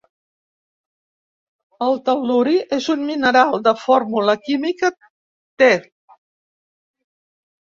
El tel·luri és un mineral de fórmula química Te.